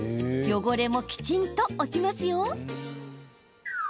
汚れも、きちんと落ちますよ。